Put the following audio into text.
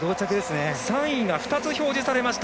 ３位が２つ表示されました。